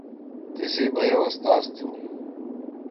تیِسی بَئے اوستاز تُھو۔